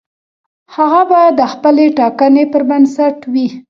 هغه باید د خپلې ټاکنې پر بنسټ وي.